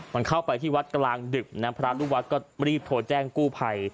มันเข้าไปที่วัดกลางดึกนะพระลูกวัดก็รีบโทรแจ้งกู้ภัย